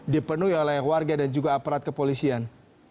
dipenuhi oleh warga dan juga aparat kepolisian